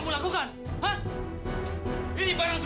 makanan main banget sih